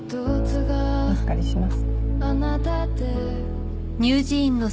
お預かりします。